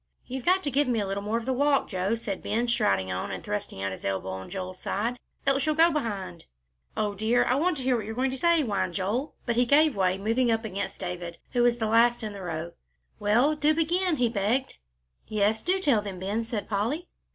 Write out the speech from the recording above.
"You've got to give me a little more of the walk, Joe," said Ben, striding on and thrusting out his elbow on Joel's side, "else you'll go behind." "O dear! I want to hear what you're going to say," whined Joel. But he gave way, moving up against David, who was the last in the row. "Well, do begin," he begged. "Yes, do tell them, Ben," said Polly.